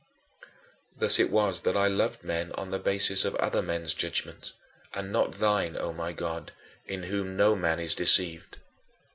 22. Thus it was that I loved men on the basis of other men's judgment, and not thine, O my God, in whom no man is deceived.